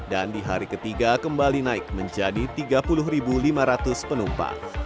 dan di hari ketiga kembali naik menjadi tiga puluh lima ratus penumpang